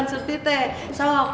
soh ya tuhan pegang